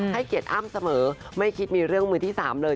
ให้เกียรติอ้ำเสมอไม่คิดมีเรื่องมือที่๓เลย